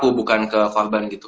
aku bukan ke korban gitu